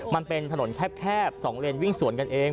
มันเป็นถนนแคบ๒เลนวิ่งสวนกันเอง